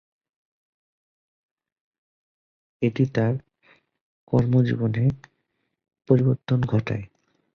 এটি তার কর্মজীবনে পরিবর্তন ঘটায়।